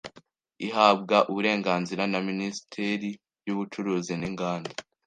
ihabwa uburenganzira na Minisiteri y’Ubucuruzi n’inganda